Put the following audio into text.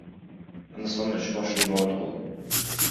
Hindistonda uch boshli bola tug‘ildi